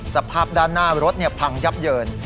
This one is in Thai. สภาพด้านหน้ารถพังยับเยิน